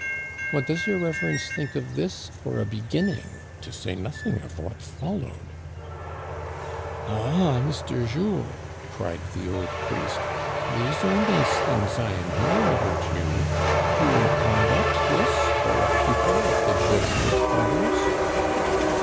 What does your reverence think of this for a beginning, to say nothing of what followed ?"Ah, Mr. Jules," cried the old priest, " these are nice things I am hearing about you. Queer conduct this for a pupil of the Jesuit fathers."